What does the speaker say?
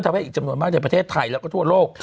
ให้อีกจำนวนมากในประเทศไทยแล้วก็ทั่วโลก